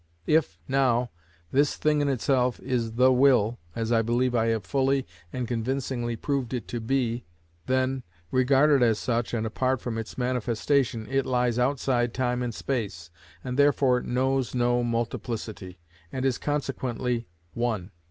If, now, this thing in itself is the will, as I believe I have fully and convincingly proved it to be, then, regarded as such and apart from its manifestation, it lies outside time and space, and therefore knows no multiplicity, and is consequently one.